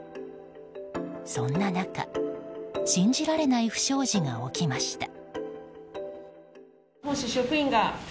そんな中、信じられない不祥事が起きました。